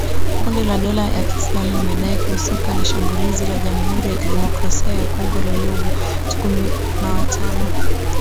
Kundi la dola ya Kiislamu limedai kuhusika na shambulizi la Jamuhuri ya Kidemokrasia ya Kongo lililouwa watu kumi na watano